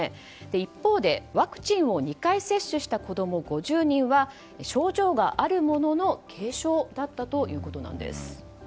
一方でワクチンを２回接種した子供５０人は症状があるものの軽症だったということです。